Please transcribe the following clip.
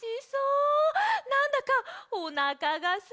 なんだかおなかがすいてきちゃった。